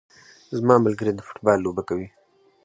زما ملګري د فوټبال لوبه کوي